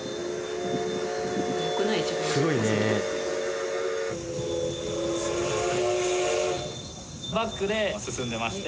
すごいね。